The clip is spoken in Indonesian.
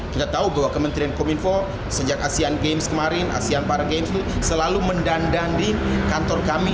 kita tahu bahwa kementerian komunikasi sejak asean games kemarin asean para games itu selalu mendandang di kantor kami